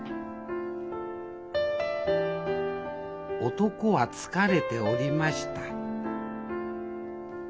男は疲れておりました。